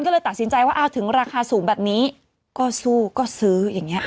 ก็เลยตัดสินใจว่าอ้าวถึงราคาสูงแบบนี้ก็สู้ก็ซื้ออย่างนี้